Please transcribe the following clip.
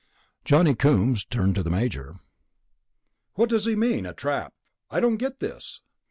Johnny Coombs turned on the Major. "What does he mean, a trap? I don't get this...."